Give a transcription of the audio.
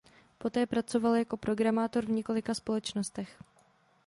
Poté pracoval jako programátor v několika společnostech.